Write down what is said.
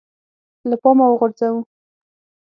له پامه وغورځوو